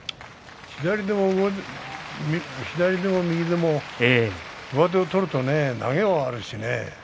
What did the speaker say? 左でも右でも上手を取ると投げはあるしね